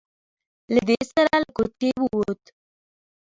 له دې سره له کوټې ووت.